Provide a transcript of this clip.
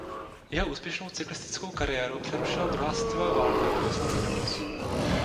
Jeho úspěšnou cyklistickou kariéru přerušila druhá světová válka a posléze nemoc.